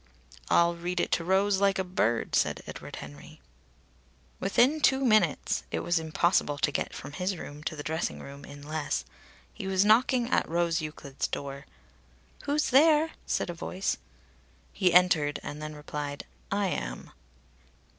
"I'll read it to Rose like a bird," said Edward Henry. Within two minutes it was impossible to get from his room to the dressing rooms in less he was knocking at Rose Euclid's door. "Who's there?" said a voice. He entered and then replied, "I am."